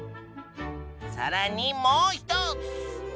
さらにもう一つ！